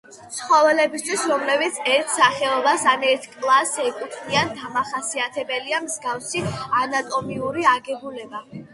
ცხოველებისთვის, რომლებიც ერთ სახეობას ან ერთ კლასს ეკუთვნიან, დამახასიათებელია მსგავსი ანატომიური აგებულება.